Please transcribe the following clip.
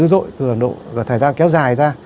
nó rất là dữ dội cường độ và thời gian kéo dài ra